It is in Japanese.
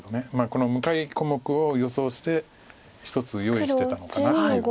この向かい小目を予想して１つ用意してたのかなっていう。